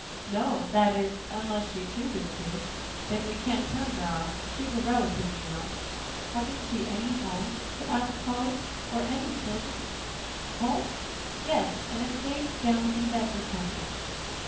"No; that is, unless she chooses to, then we can't turn her off. She's a relative, you know." "Hasn't she any home?" asked Polly, "or any children?" "Home? Yes, an estate down in Bedford County?